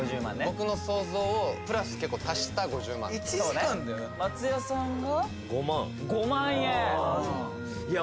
僕の想像プラス結構足した５０万松也さんが５万円５万いや